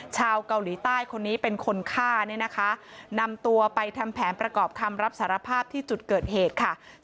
ชาวเกาหลีใต้คนนี้เป็นคนฆ่าเนี่ยนะคะนำตัวไปทำแผนประกอบคำรับสารภาพที่จุดเกิดเหตุค่ะ